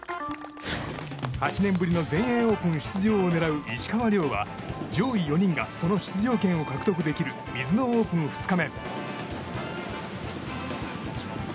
８年ぶりの全英オープン出場を狙う石川遼は上位４人がその出場権を獲得できるミズノオープン２日目。